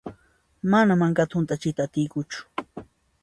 Mana mankata hunt'achiyta atiykuchu.